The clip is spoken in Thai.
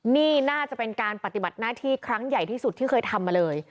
นี่น่าจะเป็นการปฏิบัติหน้าที่ครั้งใหญ่ที่สุดที่เคยทำมาเลย